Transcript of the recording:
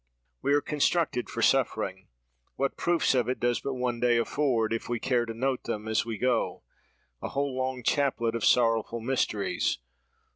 We are constructed for suffering! What proofs of it does but one day afford, if we care to note them, as we go—a whole long chaplet of sorrowful mysteries!